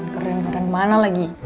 keren keren mana lagi